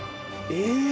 え！